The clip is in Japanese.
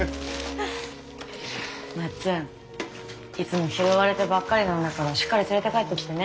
まっつんいつも拾われてばっかりなんだからしっかり連れて帰ってきてね